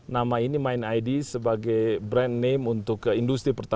nama ini main id sebagai brand name untuk industri pertahanan